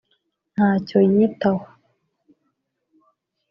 “ntacyo yitaho